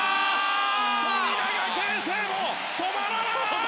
富永啓生も止まらない！